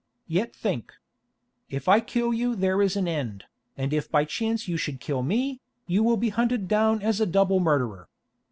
Yet think. If I kill you there is an end, and if by chance you should kill me, you will be hunted down as a double murderer.